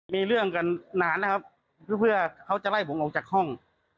มีเรื่องกันนานนะครับเพื่อเขาจะไล่ผมออกจากห้อง